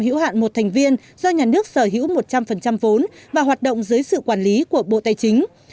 hữu hạn một thành viên do nhà nước sở hữu một trăm linh vốn và hoạt động dưới sự quản lý của bộ tài chính